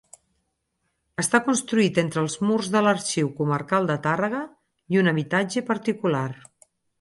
Està construït entre els murs de l'Arxiu comarcal de Tàrrega i un habitatge particular.